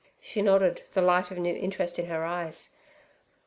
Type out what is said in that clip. She nodded, the light of new interest in her eyes.